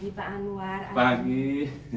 ya apa kabar